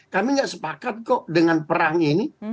kami nggak sepakat kok dengan perang ini